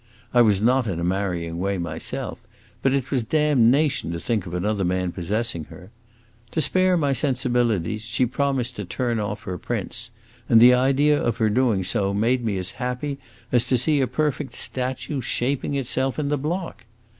I was not in a marrying way myself, but it was damnation to think of another man possessing her. To spare my sensibilities, she promised to turn off her prince, and the idea of her doing so made me as happy as to see a perfect statue shaping itself in the block.